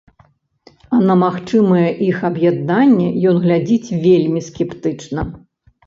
А на магчымае іх аб'яднанне ён глядзіць вельмі скептычна.